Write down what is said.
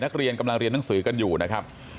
นักเรียนกำลังเรียนหนังสือกันอยู่นะครับ